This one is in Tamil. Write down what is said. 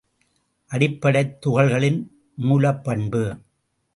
அடிப்படைத் துகள்களின் மூலப்பண்பு.